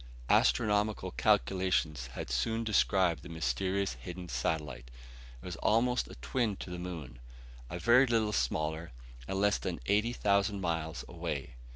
Astronomical calculations had soon described the mysterious hidden satellite. It was almost a twin to the moon; a very little smaller, and less than eighty thousand miles away.